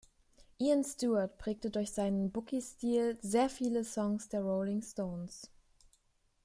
Ian Stewart prägte durch seinen Boogie-Stil sehr viele Songs der Rolling Stones.